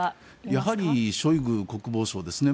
やはりショイグ国防相ですね。